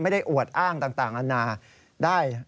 ไม่ได้อวดอ้างต่างอันนาได้